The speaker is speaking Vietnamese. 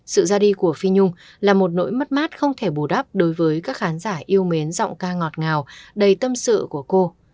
sự ra đi của phi nhung là một nỗi mất mát không thể bù đắp đối với các khán giả yêu mến giọng ca ngọt ngào đầy tâm sự của cô